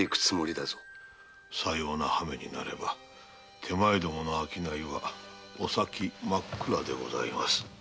さような羽目になれば手前どもの商いはお先真っ暗でございます。